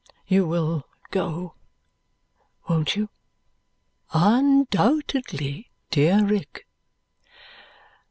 You will go, won't you?" "Undoubtedly, dear Rick."